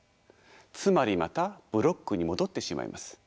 つまりまたブロックに戻ってしまいます。